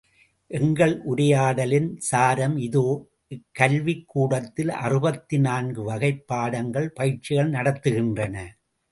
எங்கள் உரையாடலின் சாரம் இதோ இக்கல்விக் கூடத்தில் அறுபத்து நான்கு வகைப் பாடங்கள், பயிற்சிகள் நடக்கின்றன.